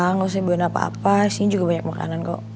nggak usah dibawain apa apa disini juga banyak makanan kok